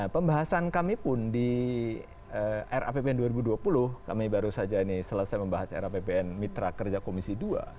pembahasan kami pun di rapbn dua ribu dua puluh kami baru saja ini selesai membahas rapbn mitra kerja komisi dua